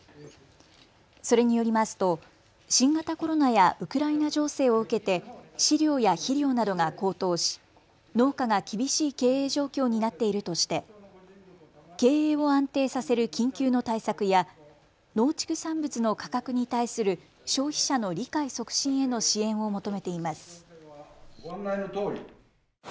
それによりますと新型コロナやウクライナ情勢を受けて飼料や肥料などが高騰し農家が厳しい経営状況になっているとして経営を安定させる緊急の対策や農畜産物の価格に対する消費者の理解促進への支援を求めています。